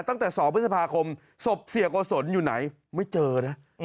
ตั้งแต่๒พฤษภาคมศพเสียโกศลอยู่ไหนไม่เจอนะ